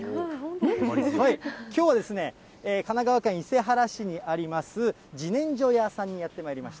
きょうはですね、神奈川県伊勢原市にあります、自然薯家さんにやってまいりました。